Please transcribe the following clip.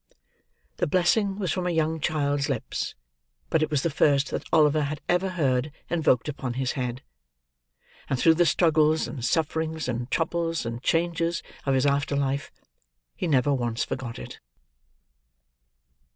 The blessing was from a young child's lips, but it was the first that Oliver had ever heard invoked upon his head; and through the struggles and sufferings, and troubles and changes, of his after life, he never once forgot it.